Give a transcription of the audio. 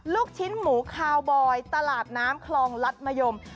ลูกชิ้นหมูคาวบอยตลาดน้ำคลองรัฐมะยม